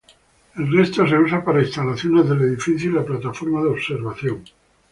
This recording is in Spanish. El resto se usa para instalaciones del edificio y la plataforma de observación.